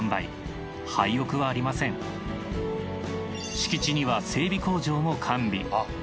敷地には整備工場も完備。